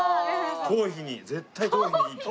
頭皮に絶対頭皮にいいって。